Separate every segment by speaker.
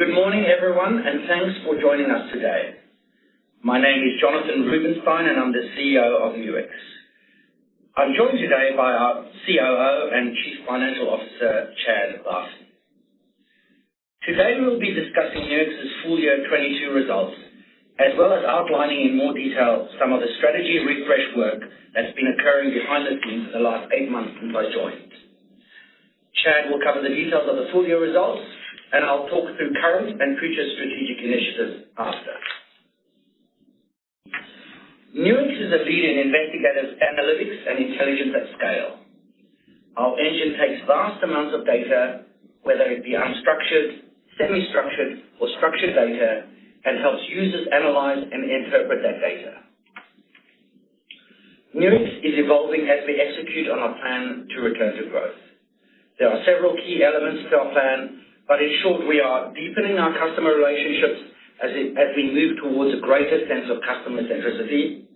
Speaker 1: Good morning, everyone, and thanks for joining us today. My name is Jonathan Rubinsztein, and I'm the CEO of Nuix. I'm joined today by our COO and Chief Financial Officer, Chad Barton. Today, we will be discussing Nuix's full year 2022 results, as well as outlining in more detail some of the strategy refresh work that's been occurring behind the scenes for the last eight months since I joined. Chad will cover the details of the full year results, and I'll talk through current and future strategic initiatives after. Nuix is a leading investigative analytics and intelligence at scale. Our engine takes vast amounts of data, whether it be unstructured, semi-structured, or structured data, and helps users analyze and interpret that data. Nuix is evolving as we execute on our plan to return to growth. There are several key elements to our plan, but in short, we are deepening our customer relationships as we move towards a greater sense of customer centricity.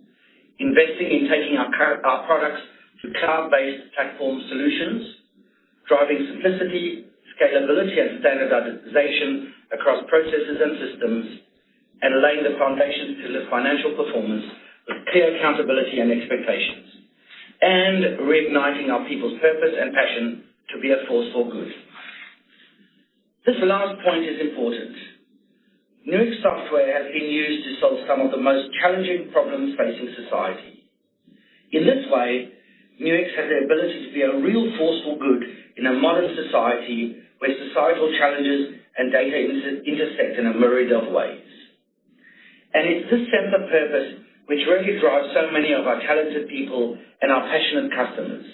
Speaker 1: Investing in taking our products to cloud-based platform solutions. Driving simplicity, scalability, and standardization across processes and systems. Laying the foundation to lift financial performance with clear accountability and expectations. Reigniting our people's purpose and passion to be a force for good. This last point is important. Nuix software has been used to solve some of the most challenging problems facing society. In this way, Nuix has the ability to be a real force for good in a modern society where societal challenges and data intersect in a myriad of ways. It's this sense of purpose which really drives so many of our talented people and our passionate customers.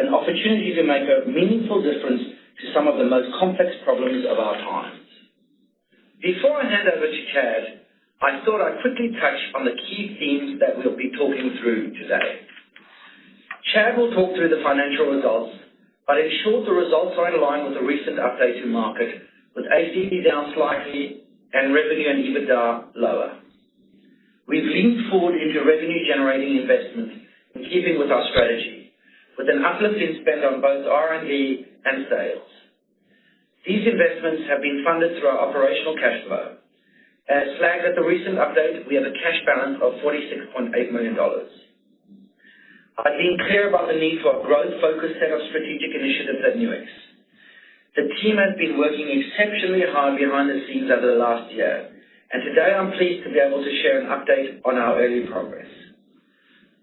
Speaker 1: An opportunity to make a meaningful difference to some of the most complex problems of our time. Before I hand over to Chad, I thought I'd quickly touch on the key themes that we'll be talking through today. Chad will talk through the financial results, but in short, the results are in line with the recent update to market, with ACV down slightly and revenue and EBITDA lower. We've leaned forward into revenue-generating investments in keeping with our strategy, with an uplift in spend on both R&D and sales. These investments have been funded through our operational cash flow. As flagged at the recent update, we have a cash balance of 46.8 million dollars. I've been clear about the need for a growth-focused set of strategic initiatives at Nuix. The team has been working exceptionally hard behind the scenes over the last year, and today I'm pleased to be able to share an update on our early progress.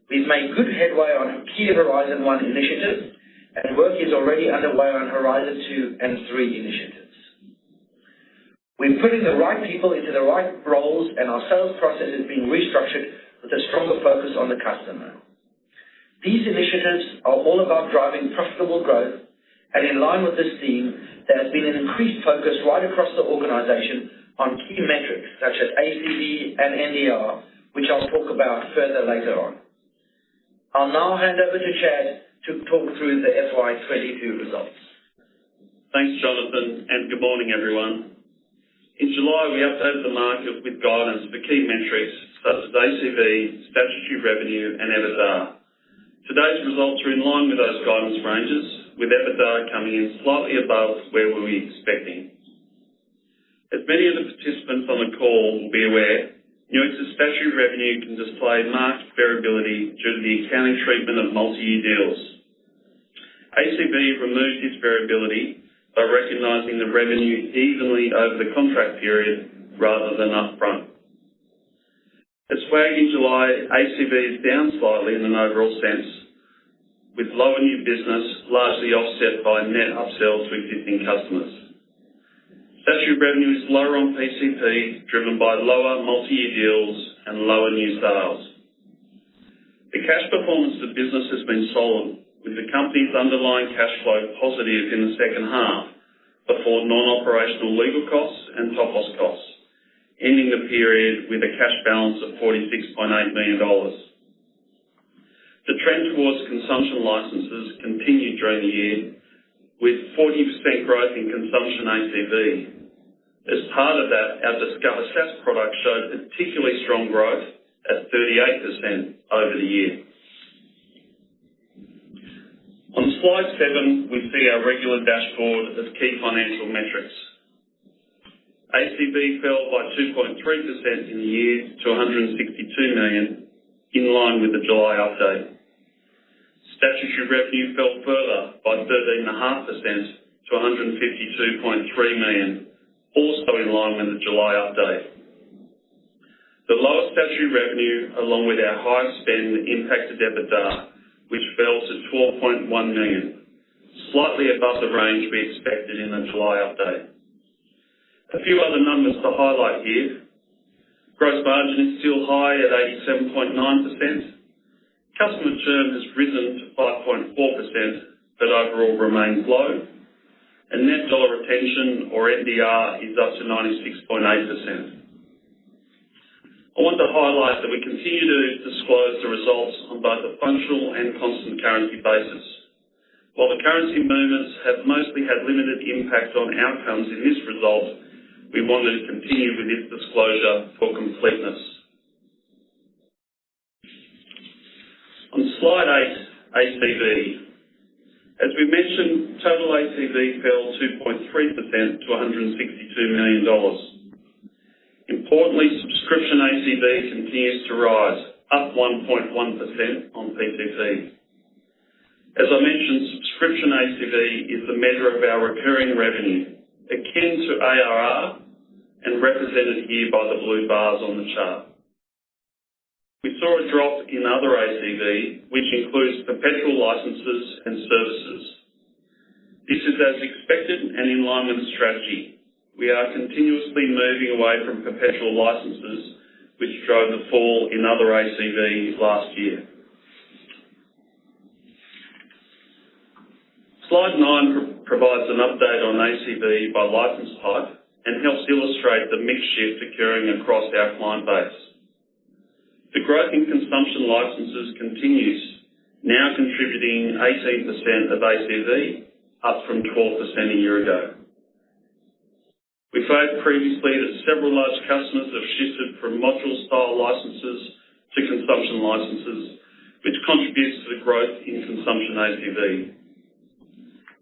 Speaker 1: We've made good headway on key Horizon One initiatives, and work is already underway on Horizon Two and Three initiatives. We're putting the right people into the right roles, and our sales process is being restructured with a stronger focus on the customer. These initiatives are all about driving profitable growth, and in line with this theme, there has been an increased focus right across the organization on key metrics such as ACV and NDR, which I'll talk about further later on. I'll now hand over to Chad to talk through the FY 22 results.
Speaker 2: Thanks, Jonathan, and good morning, everyone. In July, we updated the market with guidance for key metrics such as ACV, statutory revenue, and EBITDA. Today's results are in line with those guidance ranges, with EBITDA coming in slightly above where we were expecting. As many of the participants on the call will be aware, Nuix's statutory revenue can display marked variability due to the accounting treatment of multi-year deals. ACV removes this variability by recognizing the revenue evenly over the contract period rather than upfront. As flagged in July, ACV is down slightly in an overall sense, with lower new business largely offset by net upsells with existing customers. Statutory revenue is lower on PCP, driven by lower multi-year deals and lower new sales. The cash performance of the business has been solid, with the company's underlying cash flow positive in the second half before non-operational legal costs and Topos costs, ending the period with a cash balance of 46.8 million dollars. The trend towards consumption licenses continued during the year, with 40% growth in consumption ACV. As part of that, our Discover SaaS product showed particularly strong growth at 38% over the year. On slide seven, we see our regular dashboard of key financial metrics. ACV fell by 2.3% in the year to 162 million, in line with the July update. Statutory revenue fell further by 13.5% to 152.3 million, also in line with the July update. The lower statutory revenue, along with our higher spend, impacted EBITDA, which fell to 12.1 million, slightly above the range we expected in the July update. A few other numbers to highlight here. Gross margin is still high at 87.9%. Customer churn has risen to 5.4%, but overall remains low. Net dollar retention or NDR is up to 96.8%. I want to highlight that we continue to disclose the results on both a functional and constant currency basis. While the currency movements have mostly had limited impact on outcomes in this result, we want to continue with this disclosure for completeness. ACV. As we mentioned, total ACV fell 2.3% to 162 million dollars. Importantly, subscription ACV continues to rise, up 1.1% on PCP. As I mentioned, subscription ACV is the measure of our recurring revenue, akin to ARR and represented here by the blue bars on the chart. We saw a drop in other ACV, which includes perpetual licenses and services. This is as expected and in line with the strategy. We are continuously moving away from perpetual licenses, which drove the fall in other ACV last year. Slide nine provides an update on ACV by license type and helps illustrate the mix shift occurring across our client base. The growth in consumption licenses continues, now contributing 18% of ACV, up from 12% a year ago. We said previously that several large customers have shifted from module-style licenses to consumption licenses, which contributes to the growth in consumption ACV.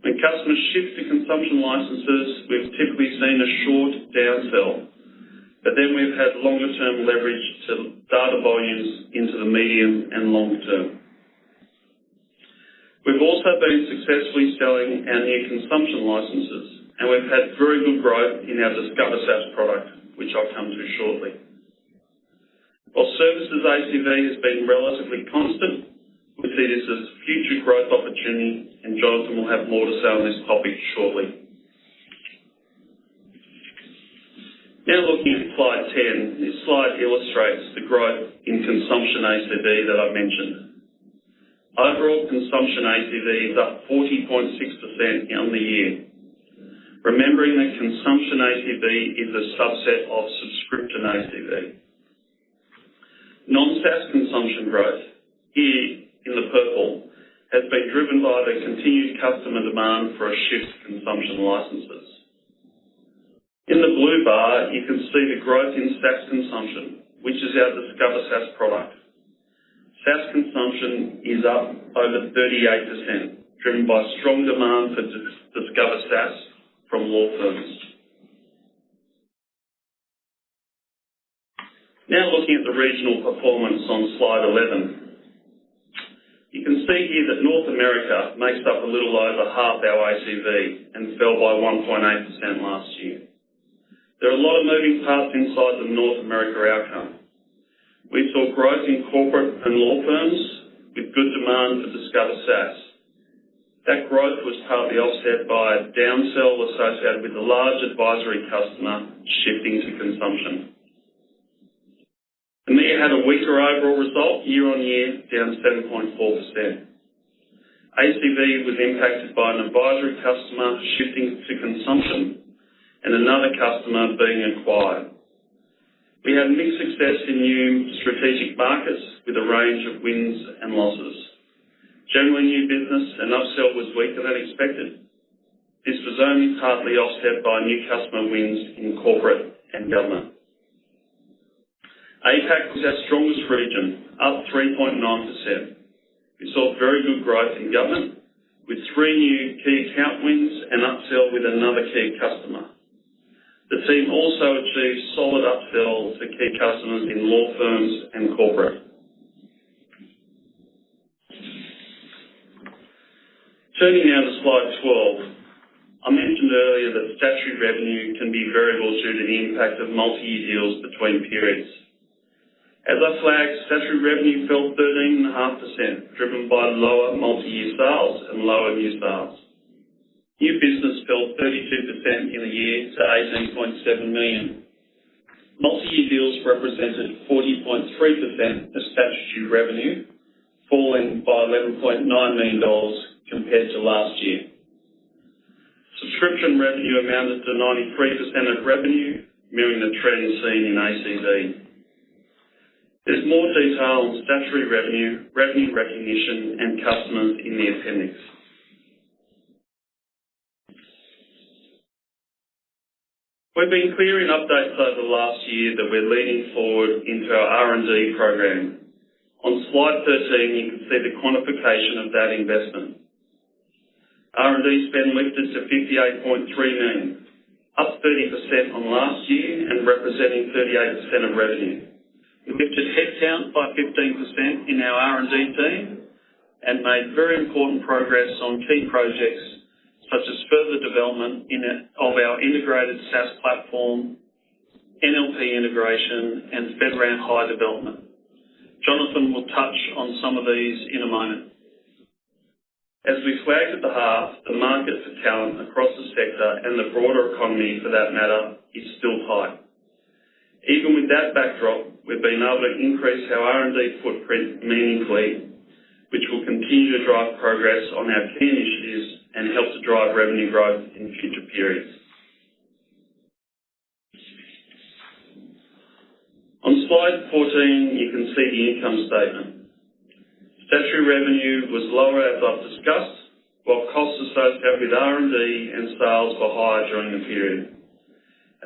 Speaker 2: When customers shift to consumption licenses, we've typically seen a short down sell, but then we've had longer-term leverage to data volumes into the medium and long-term. We've also been successfully selling our new consumption licenses, and we've had very good growth in our Discover SaaS product, which I'll come to shortly. While services ACV has been relatively constant, we see this as a future growth opportunity, and Jonathan will have more to say on this topic shortly. Now looking at slide 10. This slide illustrates the growth in consumption ACV that I've mentioned. Overall consumption ACV is up 40.6% on the year. Remembering that consumption ACV is a subset of subscription ACV. Non-SaaS consumption growth here in the purple has been driven by the continued customer demand for a shift to consumption licenses. In the blue bar, you can see the growth in SaaS consumption, which is our Discover SaaS product. SaaS consumption is up over 38%, driven by strong demand for Discover SaaS from law firms. Now looking at the regional performance on slide 11. You can see here that North America makes up a little over half our ACV and fell by 1.8% last year. There are a lot of moving parts inside the North America outcome. We saw growth in corporate and law firms with good demand for Discover SaaS. That growth was partly offset by a down sell associated with a large advisory customer shifting to consumption. EMEA had a weaker overall result year-on-year, down 7.4%. ACV was impacted by an advisory customer shifting to consumption and another customer being acquired. We had mixed success in new strategic markets with a range of wins and losses. Generally, new business and upsell was weaker than expected. This was only partly offset by new customer wins in corporate and government. APAC was our strongest region, up 3.9%. We saw very good growth in government with three new key account wins and upsell with another key customer. The team also achieved solid upsells for key customers in law firms and corporate. Turning now to slide 12. I mentioned earlier that statutory revenue can be variable due to the impact of multi-year deals between periods. As I flagged, statutory revenue fell 13.5%, driven by lower multi-year sales and lower new sales. New business fell 32% year-on-year to 18.7 million. Multi-year deals represented 40.3% of statutory revenue, falling by 11.9 million dollars compared to last year. Subscription revenue amounted to 93% of revenue, mirroring the trend seen in ACV. There's more detail on statutory revenue recognition, and customers in the appendix. We've been clear in updates over the last year that we're leaning forward into our R&D program. On slide 13, you can see the quantification of that investment. R&D spend lifted to 58.3 million, up 30% from last year and representing 38% of revenue. We lifted headcount by 15% in our R&D team and made very important progress on key projects such as further development of our integrated SaaS platform, NLP integration, and FedRAMP High development. Jonathan will touch on some of these in a moment. As we flagged at the half, the market for talent across the sector and the broader economy for that matter is still high. Even with that backdrop, we've been able to increase our R&D footprint meaningfully, which will continue to drive progress on our key initiatives and help to drive revenue growth in future periods. On slide 14, you can see the income statement. With R&D and sales were higher during the period.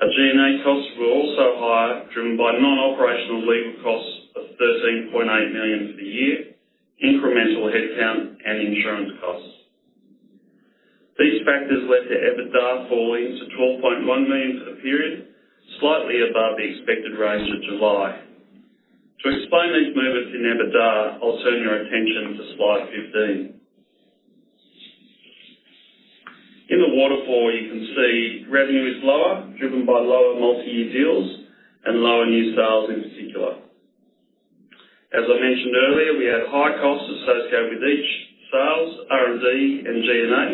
Speaker 2: Our G&A costs were also higher, driven by non-operational legal costs of 13.8 million for the year, incremental headcount, and insurance costs. These factors led to EBITDA falling to 12.1 million for the period, slightly above the expected range for July. To explain these movements in EBITDA, I'll turn your attention to slide 15. In the waterfall, you can see revenue is lower, driven by lower multi-year deals and lower new sales in particular. As I mentioned earlier, we had high costs associated with the sales, R&D, and G&A.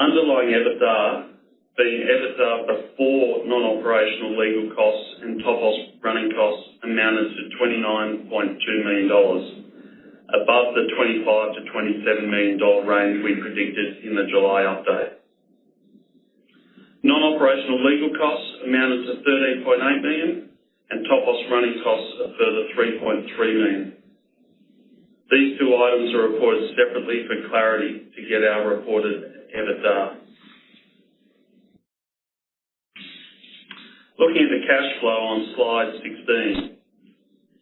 Speaker 2: Underlying EBITDA, the EBITDA before non-operational legal costs and Topos running costs amounted to 29.2 million dollars, above the 25 million-27 million dollar range we predicted in the July update. Non-operational legal costs amounted to AUD 13.8 million and Topos running costs a further AUD 3.3 million. These two items are reported separately for clarity to get our reported EBITDA. Looking at the cash flow on slide 16.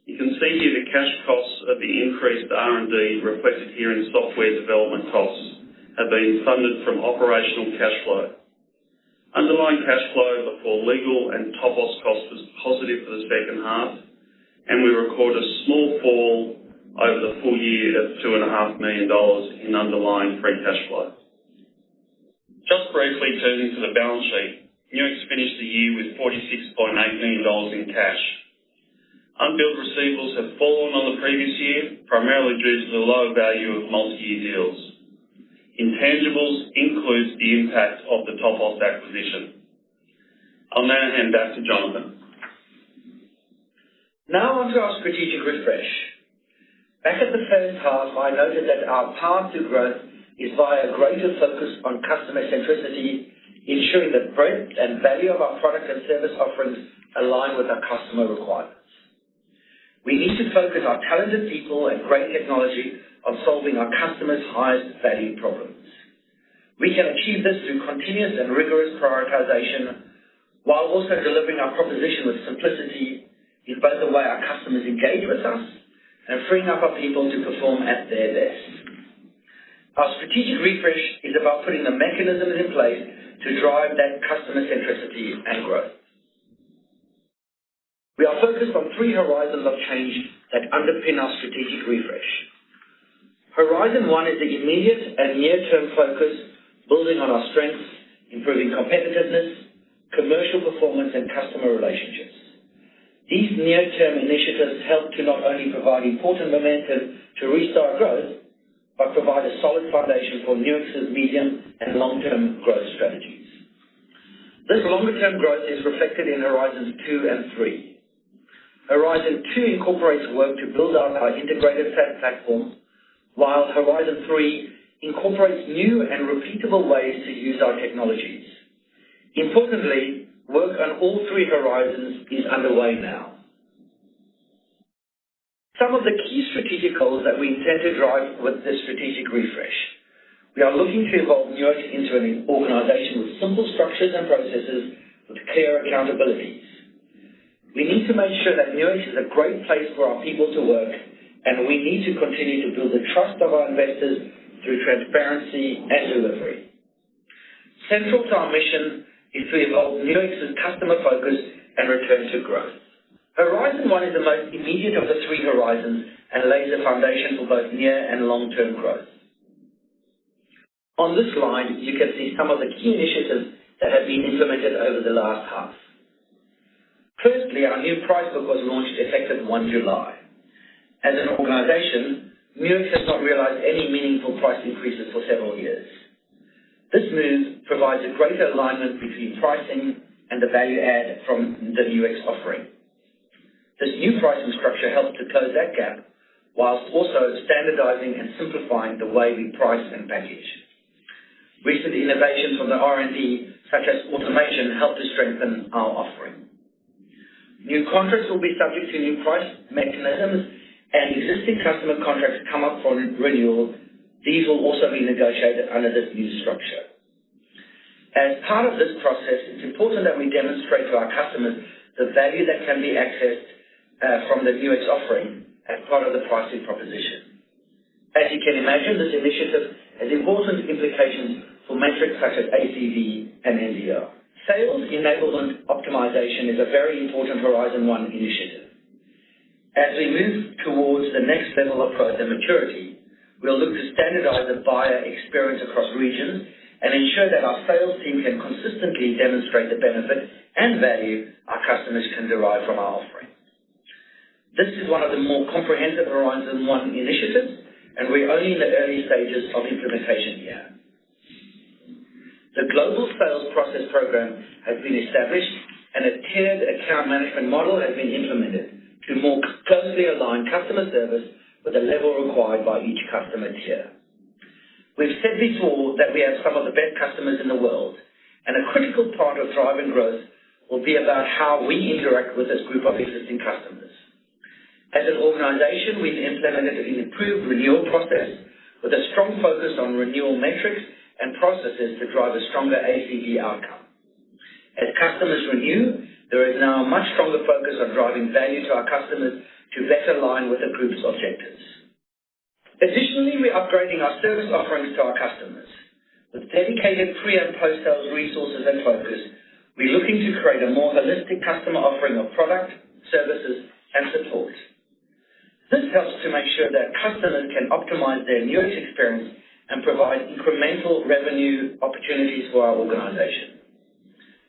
Speaker 2: You can see here the cash costs of the increased R&D reflected here in software development costs have been funded from operational cash flow. Underlying cash flow before legal and Topos cost was positive for the second half, and we record a small fall over the full year of 2.5 million dollars in underlying free cash flow. Just briefly turning to the balance sheet. Nuix finished the year with 46.8 million dollars in cash. Unbilled receivables have fallen on the previous year, primarily due to the lower value of multi-year deals. Intangibles includes the impact of the Topos acquisition. I'll now hand back to Jonathan.
Speaker 1: Now on to our strategic refresh. Back in the first half, I noted that our path to growth is via greater focus on customer centricity, ensuring the breadth and value of our product and service offerings align with our customer requirements. We need to focus our talented people and great technology on solving our customers' highest-value problems. We can achieve this through continuous and rigorous prioritization while also delivering our proposition with simplicity in both the way our customers engage with us and freeing up our people to perform at their best. Our strategic refresh is about putting the mechanisms in place to drive that customer centricity and growth. We are focused on three horizons of change that underpin our strategic refresh. Horizon One is the immediate and near-term focus, building on our strengths, improving competitiveness, commercial performance, and customer relationships. These near-term initiatives help to not only provide important momentum to restart growth, but provide a solid foundation for Nuix's medium and long-term growth strategies. This longer-term growth is reflected in Horizon two and three. Horizon two incorporates work to build out our integrated SaaS platform, while Horizon three incorporates new and repeatable ways to use our technologies. Importantly, work on all three horizons is underway now. Some of the key strategic goals that we intend to drive with this strategic refresh. We are looking to evolve Nuix into an organization with simple structures and processes with clear accountabilities. We need to make sure that Nuix is a great place for our people to work, and we need to continue to build the trust of our investors through transparency and delivery. Central to our mission is to evolve Nuix's customer focus and return to growth. Horizon One is the most immediate of the three horizons and lays the foundation for both near and long-term growth. On this slide, you can see some of the key initiatives that have been implemented over the last half. Firstly, our new price book was launched effective 1 July. As an organization, Nuix has not realized any meaningful price increases for several years. This move provides a greater alignment between pricing and the value add from the Nuix offering. This new pricing structure helps to close that gap while also standardizing and simplifying the way we price and package. Recent innovations from the R&D, such as automation, help to strengthen our offering. New contracts will be subject to new price mechanisms and existing customer contracts come up for renewal. These will also be negotiated under this new structure. As part of this process, it's important that we demonstrate to our customers the value that can be accessed from the Nuix offering as part of the pricing proposition. As you can imagine, this initiative has important implications for metrics such as ACV and NDR. Sales enablement optimization is a very important Horizon One initiative. As we move towards the next level of product and maturity, we'll look to standardize the buyer experience across regions and ensure that our sales team can consistently demonstrate the benefit and value our customers can derive from our offering. This is one of the more comprehensive Horizon One initiatives, and we're only in the early stages of implementation here. The global sales process program has been established and a tiered account management model has been implemented to more closely align customer service with the level required by each customer tier. We've said before that we have some of the best customers in the world, and a critical part of driving growth will be about how we interact with this group of existing customers. As an organization, we've implemented an improved renewal process with a strong focus on renewal metrics and processes to drive a stronger ACV outcome. As customers renew, there is now a much stronger focus on driving value to our customers to better align with the group's objectives. Additionally, we're upgrading our service offerings to our customers. With dedicated pre and post-sales resources and focus, we're looking to create a more holistic customer offering of product, services, and support. This helps to make sure that customers can optimize their Nuix experience and provide incremental revenue opportunities for our organization.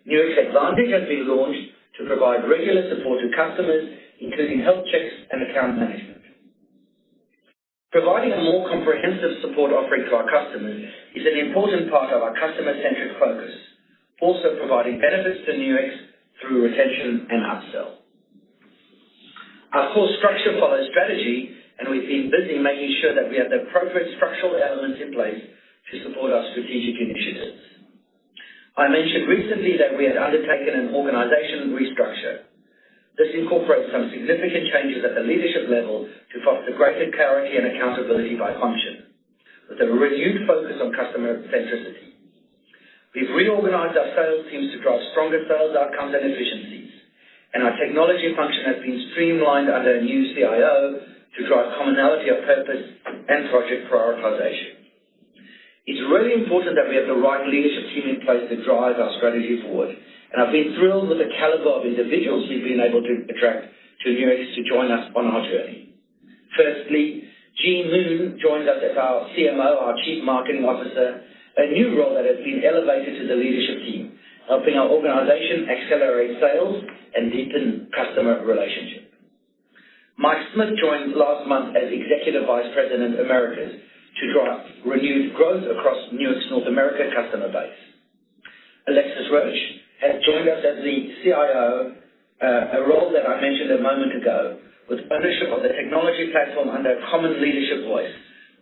Speaker 1: Nuix Advantage has been launched to provide regular support to customers, including health checks and account management. Providing a more comprehensive support offering to our customers is an important part of our customer-centric focus, also providing benefits to Nuix through retention and upsell. Our core structure follows strategy, and we've been busy making sure that we have the appropriate structural elements in place to support our strategic initiatives. I mentioned recently that we have undertaken an organizational restructure. This incorporates some significant changes at the leadership level to foster greater clarity and accountability by function with a renewed focus on customer centricity. We've reorganized our sales teams to drive stronger sales outcomes and efficiencies, and our technology function has been streamlined under a new CIO to drive commonality of purpose and project prioritization. It's really important that we have the right leadership team in place to drive our strategy forward, and I've been thrilled with the caliber of individuals we've been able to attract to Nuix to join us on our journey. Firstly, Jee Moon joined us as our CMO, our Chief Marketing Officer, a new role that has been elevated to the leadership team, helping our organization accelerate sales and deepen customer relationship. Mike Smith joined last month as Executive Vice President, Americas to drive renewed growth across Nuix North America customer base. Alexis Rouch has joined us as the CIO, a role that I mentioned a moment ago, with ownership of the technology platform under a common leadership voice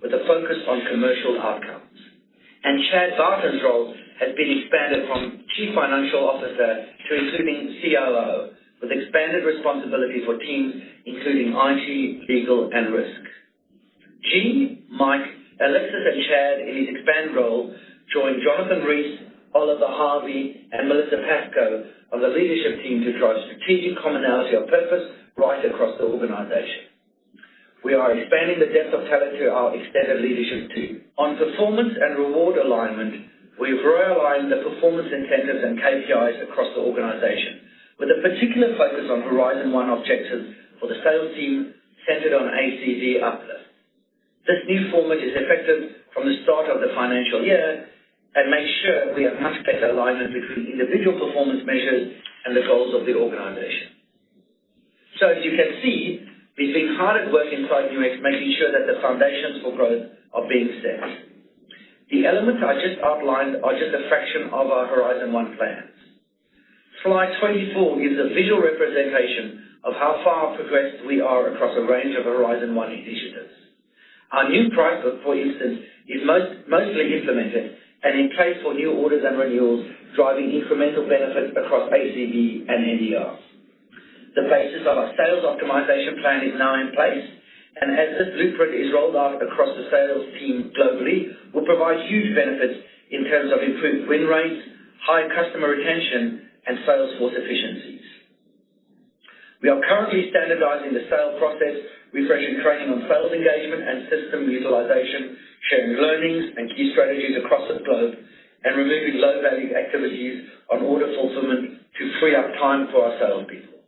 Speaker 1: with a focus on commercial outcomes. Chad Barton's role has been expanded from Chief Financial Officer to including COO, with expanded responsibility for teams including IT, legal, and risk. Jee, Mike, Alexis, and Chad in his expanded role join Jonathan Rees, Oliver Harvey, and Melissa Pascoe on the leadership team to drive strategic commonality of purpose right across the organization. We are expanding the depth of talent to our extended leadership team. On performance and reward alignment, we've realigned the performance incentives and KPIs across the organization with a particular focus on Horizon One objectives for the sales team centered on ACV uplift. This new format is effective from the start of the financial year and makes sure we have much better alignment between individual performance measures and the goals of the organization. As you can see, we've been hard at work inside Nuix making sure that the foundations for growth are being set. The elements I just outlined are just a fraction of our Horizon One plan. Slide 24 gives a visual representation of how far progressed we are across a range of Horizon One initiatives. Our new price book, for instance, is mostly implemented and in place for new orders and renewals, driving incremental benefit across ACV and NDR. The basis of our sales optimization plan is now in place, and as this blueprint is rolled out across the sales team globally, will provide huge benefits in terms of improved win rates, high customer retention, and sales force efficiencies. We are currently standardizing the sales process, refreshing training on sales engagement and system utilization, sharing learnings and key strategies across the globe, and removing low-value activities on order fulfillment to free up time for our salespeople.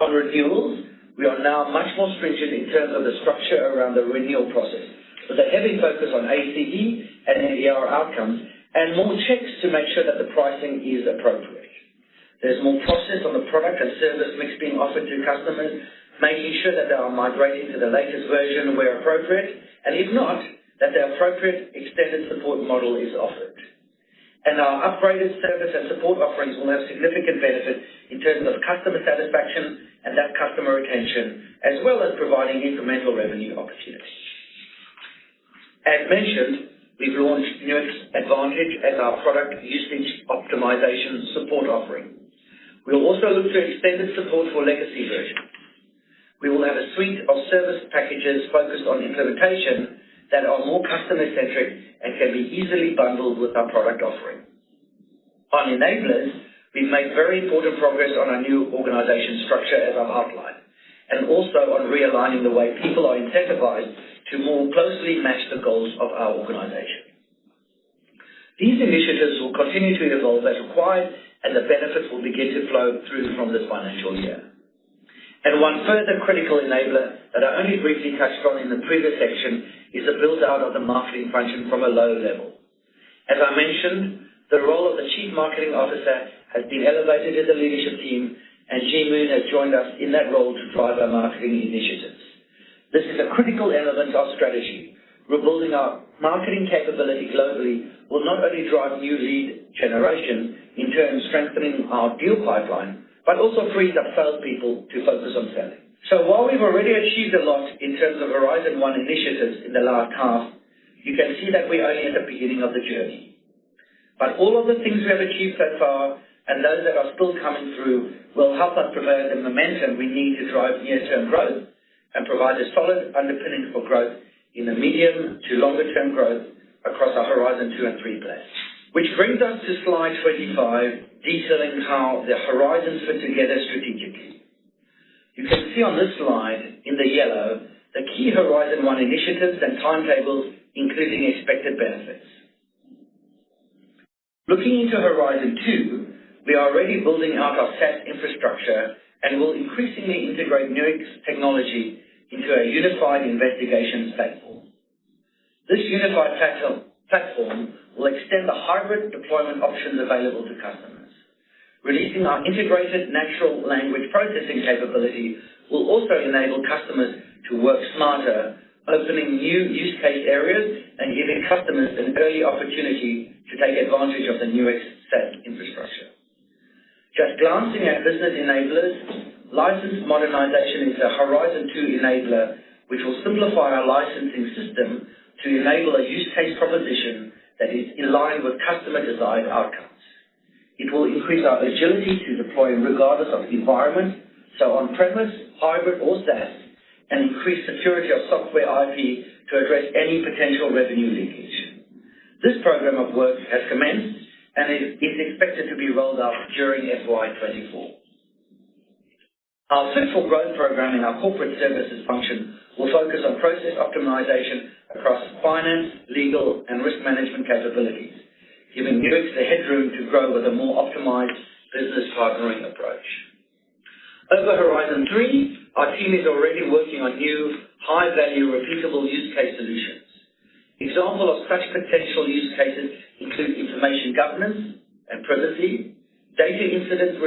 Speaker 1: On renewals, we are now much more stringent in terms of the structure around the renewal process, with a heavy focus on ACV and ARR outcomes and more checks to make sure that the pricing is appropriate. There's more process on the product and service mix being offered to customers, making sure that they are migrating to the latest version where appropriate, and if not, that the appropriate extended support model is offered. Our upgraded service and support offerings will have significant benefit in terms of customer satisfaction and that customer retention, as well as providing incremental revenue opportunities. As mentioned, we've launched Nuix Advantage as our product usage optimization support offering. We'll also look to extended support for legacy versions. We will have a suite of service packages focused on implementation that are more customer-centric and can be easily bundled with our product offering. On enablers, we've made very important progress on our new organization structure as I've outlined, and also on realigning the way people are incentivized to more closely match the goals of our organization. These initiatives will continue to evolve as required, and the benefits will begin to flow through from this financial year. One further critical enabler that I only briefly touched on in the previous section is the build-out of the marketing function from a low level. As I mentioned, the role of the Chief Marketing Officer has been elevated to the leadership team, and Jee Moon has joined us in that role to drive our marketing initiatives. This is a critical element of strategy. Rebuilding our marketing capability globally will not only drive new lead generation, in turn strengthening our deal pipeline, but also frees up sales people to focus on selling. While we've already achieved a lot in terms of Horizon One initiatives in the last half, you can see that we're only at the beginning of the journey. All of the things we have achieved so far and those that are still coming through will help us promote the momentum we need to drive near-term growth and provide a solid underpinning for growth in the medium to longer term growth across our Horizon Two and Three plans. Which brings us to slide 25, detailing how the horizons fit together strategically. You can see on this slide in the yellow the key Horizon One initiatives and timetables, including expected benefits. Looking into Horizon Two, we are already building out our SaaS infrastructure and will increasingly integrate Nuix technology into a unified investigation platform. This unified platform will extend the hybrid deployment options available to customers. Releasing our integrated natural language processing capability will also enable customers to work smarter, opening new use case areas and giving customers an early opportunity to take advantage of the Nuix SaaS infrastructure. Just glancing at business enablers, license modernization is a Horizon two enabler, which will simplify our licensing system to enable a use case proposition that is aligned with customer desired outcomes. It will increase our agility to deploy regardless of the environment, so on-premise, hybrid or SaaS, and increase security of software IP to address any potential revenue leakage. This program of work has commenced, and it is expected to be rolled out during FY 2024. Our fit for growth program in our corporate services function will focus on process optimization across finance, legal, and risk management capabilities, giving Nuix the headroom to grow with a more optimized business partnering approach. Over Horizon three, our team is already working on new high-value, repeatable use case solutions. Example of such potential use cases include information governance and privacy, data incident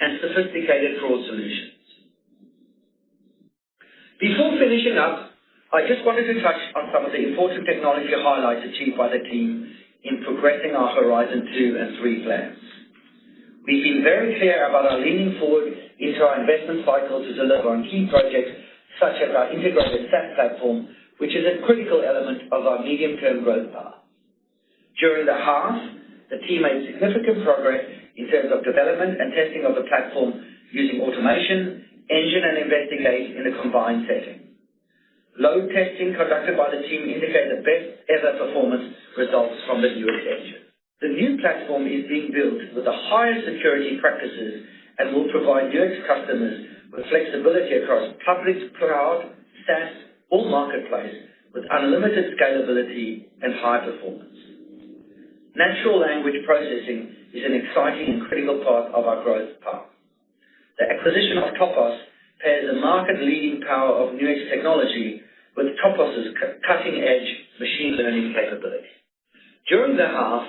Speaker 1: response, and sophisticated fraud solutions. Before finishing up, I just wanted to touch on some of the important technology highlights achieved by the team in progressing our Horizon two and three plans. We've been very clear about our leaning forward into our investment cycle to deliver on key projects such as our integrated SaaS platform, which is a critical element of our medium-term growth path. During the half, the team made significant progress in terms of development and testing of the platform using automation, Engine, and Investigate in a combined setting. Load testing conducted by the team indicated best ever performance results from the Nuix Engine. The new platform is being built with the highest security practices and will provide Nuix customers with flexibility across public, cloud, SaaS, or marketplace with unlimited scalability and high performance. Natural language processing is an exciting and critical part of our growth path. The acquisition of Topos pairs the market-leading power of Nuix technology with Topos's cutting-edge machine learning capabilities. During the half,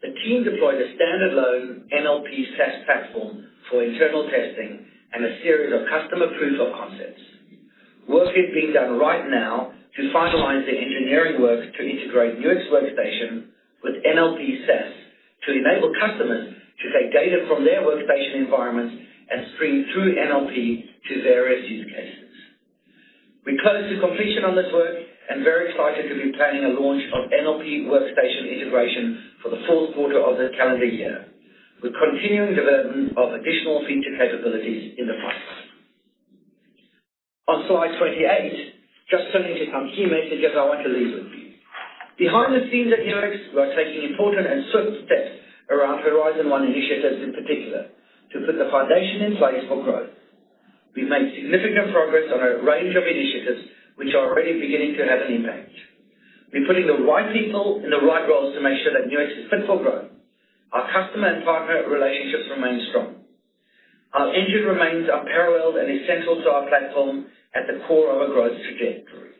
Speaker 1: the team deployed a stand-alone NLP SaaS platform for internal testing and a series of customer proof of concepts. Work is being done right now to finalize the engineering work to integrate Nuix Workstation with NLP SaaS to enable customers to take data from their workstation environments and stream through NLP to various use cases. We're close to completion on this work and very excited to be planning a launch of NLP Workstation integration for the fourth quarter of the calendar year, with continuing development of additional feature capabilities in the pipeline. On slide 28, just turning to some key messages I want to leave with you. Behind the scenes at Nuix, we are taking important and swift steps around Horizon one initiatives in particular to put the foundation in place for growth. We've made significant progress on a range of initiatives which are already beginning to have an impact. We're putting the right people in the right roles to make sure that Nuix is fit for growth. Our customer and partner relationships remain strong. Our Engine remains unparalleled and essential to our platform at the core of our growth trajectory.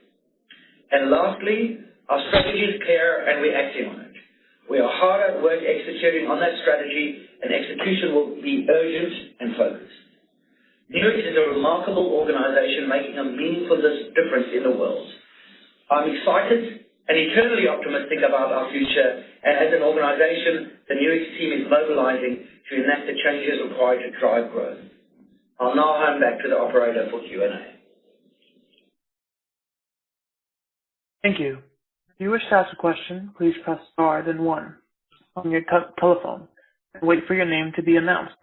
Speaker 1: Lastly, our strategy is clear, and we're acting on it. We are hard at work executing on that strategy, and execution will be urgent and focused. Nuix is a remarkable organization making a meaningful difference in the world. I'm excited and eternally optimistic about our future. As an organization, the Nuix team is mobilizing to enact the changes required to drive growth. I'll now hand back to the operator for Q&A.
Speaker 3: Thank you. If you wish to ask a question, please press star then one on your telephone and wait for your name to be announced.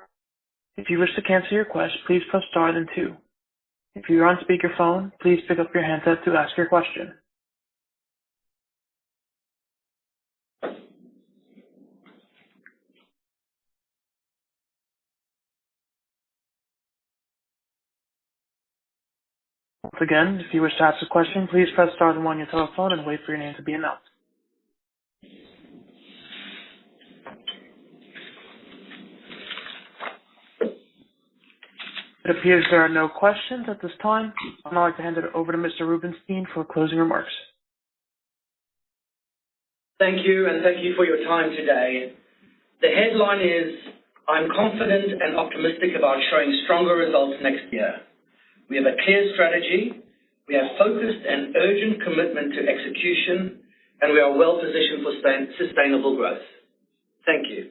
Speaker 3: If you wish to cancel your request, please press star then two. If you're on speaker phone, please pick up your handset to ask your question. Once again, if you wish to ask a question, please press star then one on your telephone and wait for your name to be announced. It appears there are no questions at this time. I'd like to hand it over to Mr. Rubinsztein for closing remarks.
Speaker 1: Thank you, and thank you for your time today. The headline is I'm confident and optimistic about showing stronger results next year. We have a clear strategy, we have focused and urgent commitment to execution, and we are well positioned for sustainable growth. Thank you.